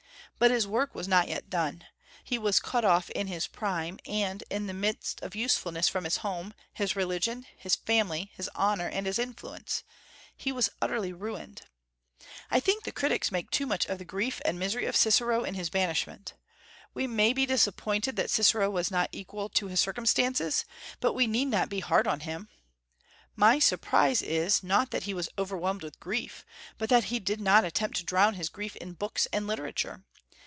But his work was not yet done. He was cut off in his prime and in the midst of usefulness from his home, his religion, his family, his honor, and his influence; he was utterly ruined. I think the critics make too much of the grief and misery of Cicero in his banishment. We may be disappointed that Cicero was not equal to his circumstances; but we need not be hard on him. My surprise is, not that he was overwhelmed with grief, but that he did not attempt to drown his grief in books and literature.